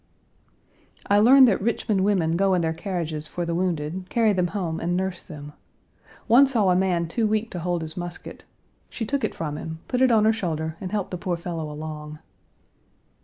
I learn that Richmond women go in their carriages for the wounded, carry them home and nurse them. One saw a man too weak to hold his musket. She took it from him, put it on her shoulder, and helped the poor fellow along.